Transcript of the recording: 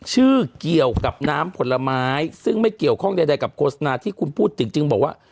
ชื่อเกี่ยวกับน้ำผลไม้ซึ่งไม่เกี่ยวข้องใดกับโฆษณาที่คุณพูดถึงจึงบอกว่า